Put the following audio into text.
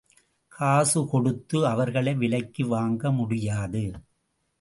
காசு கொடுத்து அவர்களை விலைக்கு வாங்க முடியாது.